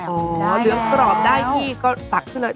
พอเหลืองกรอบได้พี่ก็ตักขึ้นเลย